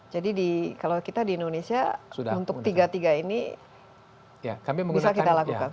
jadi kalau kita di indonesia untuk tiga tiga ini bisa kita lakukan